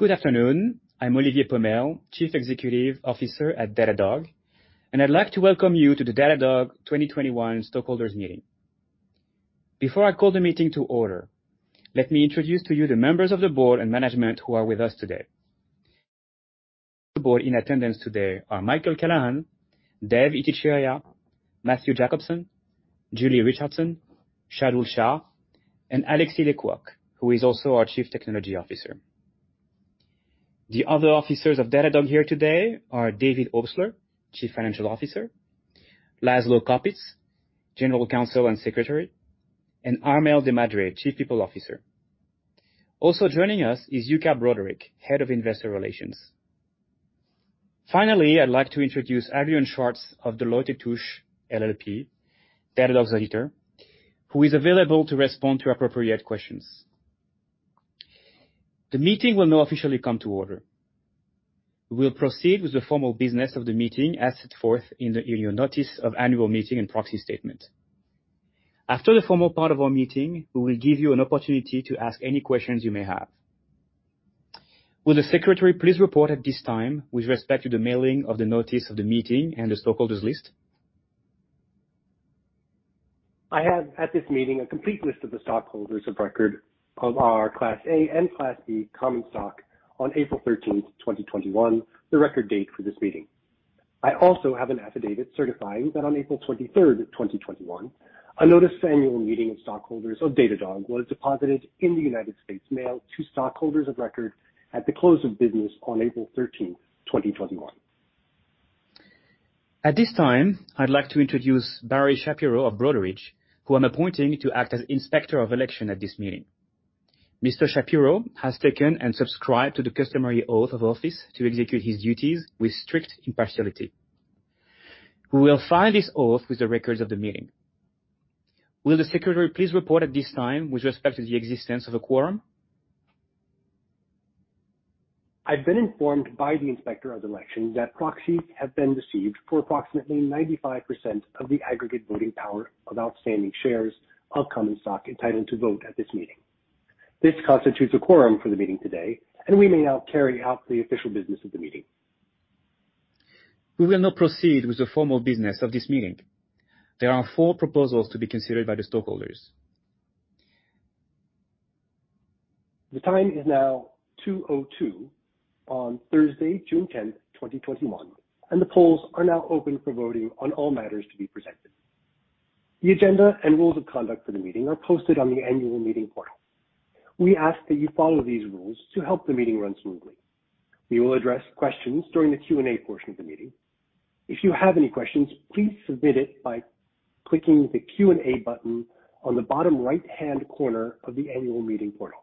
Good afternoon. I'm Olivier Pomel, Chief Executive Officer at Datadog, and I'd like to welcome you to the Datadog 2021 Stakeholders Meeting. Before I call the meeting to order, let me introduce to you the members of the board and management who are with us today. The board in attendance today are Michael Callahan, Dev Ittycheria, Matthew Jacobson, Julie Richardson, Shardul Shah, and Alexis Lê-Quôc, who is also our Chief Technology Officer. The other officers of Datadog here today are David Obstler, Chief Financial Officer, Laszlo Kopits, General Counsel and Secretary, and Armelle de Madre, Chief People Officer. Also joining us is Yuka Broderick, Head of Investor Relations. Finally, I'd like to introduce Adrian Schwartz of Deloitte & Touche LLP, Datadog's auditor, who is available to respond to appropriate questions. The meeting will now officially come to order. We will proceed with the formal business of the meeting as set forth in your notice of annual meeting and proxy statement. After the formal part of our meeting, we will give you an opportunity to ask any questions you may have. Will the secretary please report at this time with respect to the mailing of the notice of the meeting and the stockholders' list? I have at this meeting a complete list of the stockholders of record of our Class A and Class B common stock on April 13th, 2021, the record date for this meeting. I also have an affidavit certifying that on April 23rd, 2021, a notice annual meeting of stockholders of Datadog was deposited in the United States Mail to stockholders of record at the close of business on April 13th, 2021. At this time, I'd like to introduce Barry Shapiro of Broadridge, who I'm appointing to act as Inspector of Election at this meeting. Mr. Shapiro has taken and subscribed to the customary oath of office to execute his duties with strict impartiality. We will file this oath with the records of the meeting. Will the secretary please report at this time with respect to the existence of a quorum? I've been informed by the Inspector of the Election that proxies have been received for approximately 95% of the aggregate voting power of outstanding shares of common stock entitled to vote at this meeting. This constitutes a quorum for the meeting today, and we may now carry out the official business of the meeting. We will now proceed with the formal business of this meeting. There are four proposals to be considered by the stockholders. The time is now 2:02 P.M. on Thursday, June 10th, 2021, and the polls are now open for voting on all matters to be presented. The agenda and rules of conduct for the meeting are posted on the annual meeting portal. We ask that you follow these rules to help the meeting run smoothly. We will address questions during the Q&A portion of the meeting. If you have any questions, please submit it by clicking the Q&A button on the bottom right-hand corner of the annual meeting portal.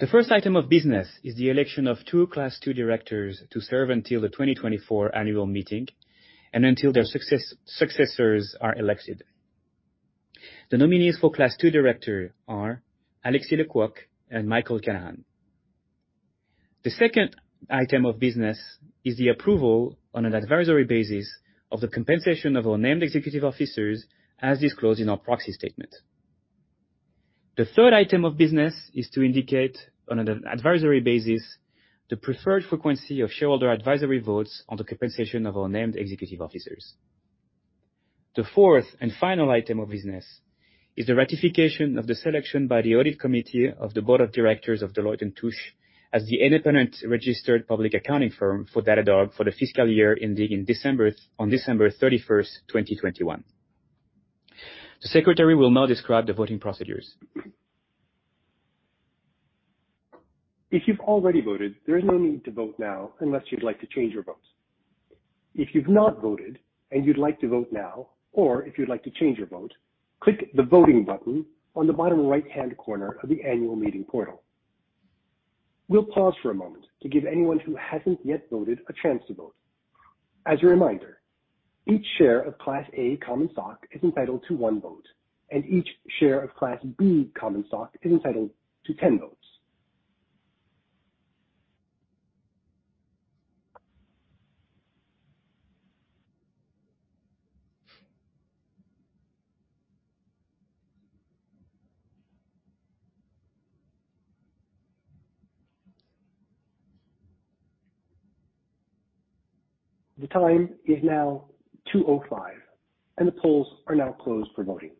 The first item of business is the election of two Class II directors to serve until the 2024 annual meeting and until their successors are elected. The nominees for Class II director are Alexis Lê-Quôc and Michael Callahan. The second item of business is the approval on an advisory basis of the compensation of our named executive officers as disclosed in our proxy statement. The third item of business is to indicate, on an advisory basis, the preferred frequency of shareholder advisory votes on the compensation of our named executive officers. The fourth and final item of business is the ratification of the selection by the audit committee of the board of directors of Deloitte & Touche as the independent registered public accounting firm for Datadog for the fiscal year ending on December 31st, 2021. The secretary will now describe the voting procedures. If you've already voted, there's no need to vote now unless you'd like to change your vote. If you've not voted and you'd like to vote now, or if you'd like to change your vote, click the Voting button on the bottom right-hand corner of the annual meeting portal. We'll pause for a moment to give anyone who hasn't yet voted a chance to vote. As a reminder, each share of Class A common stock is entitled to one vote, and each share of Class B common stock is entitled to 10 votes. The time is now 2:05. The polls are now closed for voting.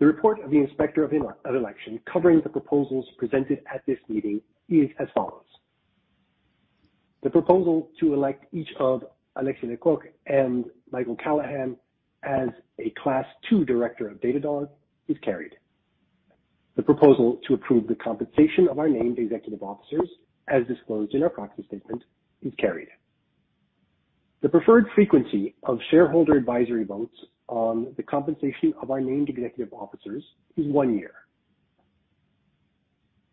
The report of the Inspector of Election covering the proposals presented at this meeting is as follows. The proposal to elect each of Alexis Lê-Quôc and Michael Callahan as a Class II Director of Datadog is carried. The proposal to approve the compensation of our named executive officers, as disclosed in our proxy statement, is carried. The preferred frequency of shareholder advisory votes on the compensation of our named executive officers is one year.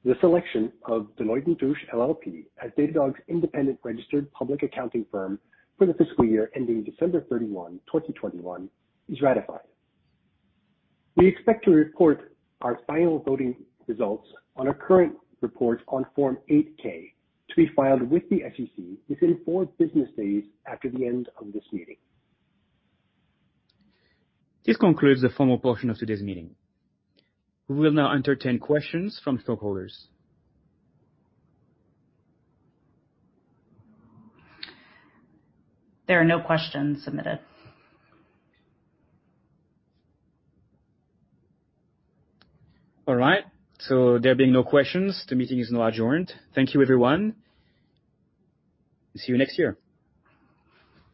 The selection of Deloitte & Touche LLP as Datadog's independent registered public accounting firm for the fiscal year ending December 31, 2021, is ratified. We expect to report our final voting results on our current report on Form 8-K, to be filed with the SEC within four business days after the end of this meeting. This concludes the formal portion of today's meeting. We will now entertain questions from stockholders. There are no questions submitted. All right. There being no questions, the meeting is now adjourned. Thank you, everyone. See you next year.